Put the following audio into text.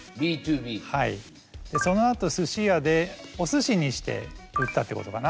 はいその後すし屋でおすしにして売ったってことかな。